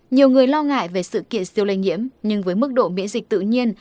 nhiều người lo ngại về sự kiện siêu lây nhiễm nhưng với mức độ miễn dịch tự nhiên